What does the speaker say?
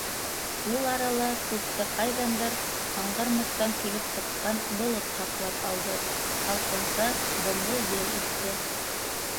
Ул арала күкте ҡайҙандыр аңғармаҫтан килеп сыҡҡан болот ҡаплап алды, һалҡынса, дымлы ел иҫте.